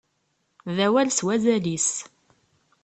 D awal s wazal-is.